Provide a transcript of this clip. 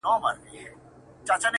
خاوري دي ژوند سه. دا دی ارمان دی.